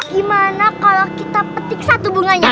gimana kalau kita petik satu bunganya